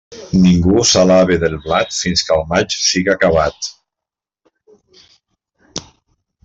Ningú s'alabe del blat fins que el maig siga acabat.